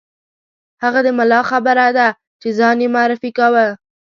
هغه د ملا خبره ده چې ځان یې معرفي کاوه.